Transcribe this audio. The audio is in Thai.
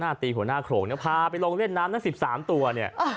ตีหัวหน้าโขลงเนี่ยพาไปลงเล่นน้ำทั้ง๑๓ตัวเนี่ย